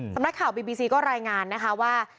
สำนักข่าวบีบีซีก็รายงานนะคะว่า